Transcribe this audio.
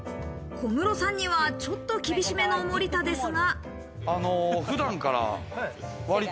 小室さんにはちょっと厳しめの森田ですが。